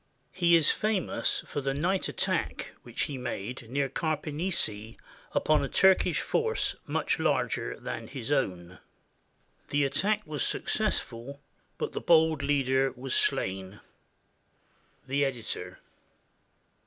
He is famous for the night attack which he made near Carpenisi upon a Turkish force much larger than his own. The attack was successful, but the bold leader was slain. The Editor.